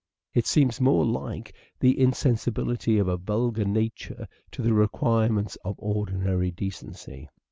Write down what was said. It seems more like the in sensibility of a vulgar nature to the requirements of ordinary decency.